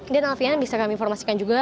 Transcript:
dan alfian bisa kami informasikan juga